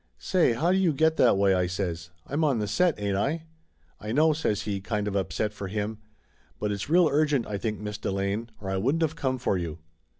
"Say, how do you get that way?" I says. "I'm on the set, ain't I ?" "I know," says he, kind of upset for him, "but it's real urgent, I think, Miss Delane, or I wouldn't of come for you."